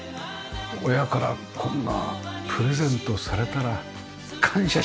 親からこんなプレゼントされたら感謝しかないですよね。